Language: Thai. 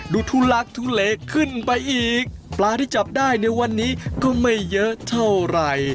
ทุลักทุเลขึ้นไปอีกปลาที่จับได้ในวันนี้ก็ไม่เยอะเท่าไหร่